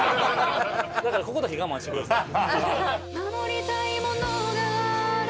だからここだけ我慢してください。